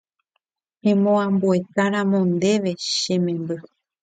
amombe'útaramo ndéve che memby